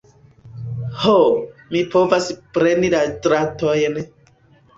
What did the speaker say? Ho, mi povas preni la dratojn!